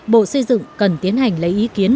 bộ xây dựng cần tiến hành lấy ý kiến